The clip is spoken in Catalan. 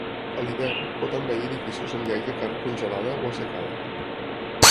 A l'hivern, pot envair edificis on hi hagi carn congelada o assecada.